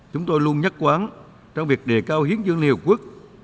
chúng tôi luôn nhất quán trong việc đề cao hiến dương liều quốc